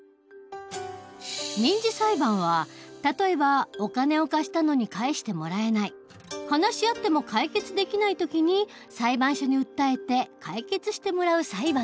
民事裁判は例えばお金を貸したのに返してもらえない話し合っても解決できない時に裁判所に訴えて解決してもらう裁判の事。